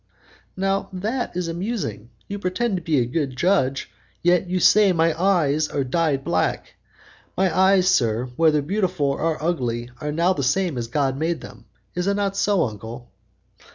"Now, that is amusing. You pretend to be a good judge, yet you say that my eyes are dyed black. My eyes, sir, whether beautiful or ugly, are now the same as God made them. Is it not so, uncle?"